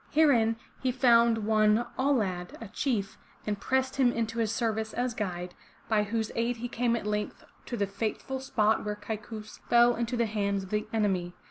Herein he found one Au' lad, a chief, and pressed him into his service as guide, by whose aid he came at length to the fateful spot where Kaikous fell into the hands of the enemy.